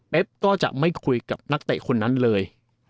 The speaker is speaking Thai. ก็จะไม่คุยกับนักเตะคนนั้นเลย